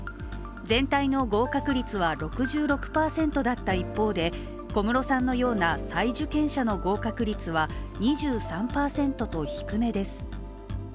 全体の合格率は６６％だった一方で小室さんのような再受験者の合格者は２３％と低めです。